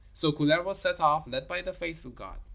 So Kullervo set off, led by the faithful dog.